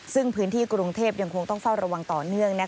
ซึ่งพื้นที่กรุงเทพยังคงต้องเฝ้าระวังต่อเนื่อง